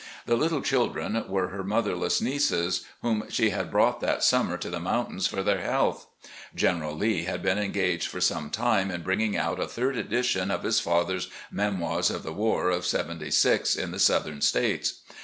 The "little children" were her motherless nieces, whom she had brought that summer to the mountains for their health. General Lee had been engaged for some time in bringing out a third edition of his father's "Memoirs of the War of '76 in the Southern States."